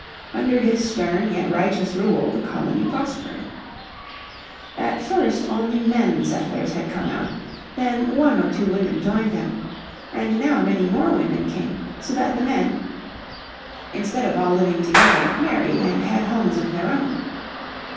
Under his stern yet righteous rule the colony prospered. At first only men settlers had come out, then one or two women joined them, and now many more women came, so that the men, instead of all living together, married and had homes of their own.